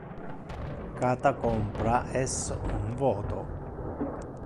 Cata compra es un voto.